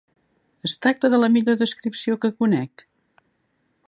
Es tracta de la millor descripció que conec.